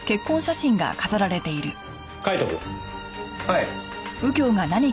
はい。